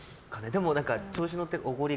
でも、調子に乗っておごり